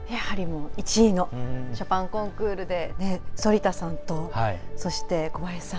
１位のショパンコンクールで反田さんと、そして小林さん。